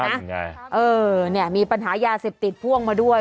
ยังไงเออเนี่ยมีปัญหายาเสพติดพ่วงมาด้วย